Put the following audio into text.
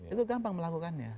itu gampang melakukannya